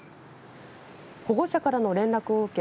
保護者からの連絡を受け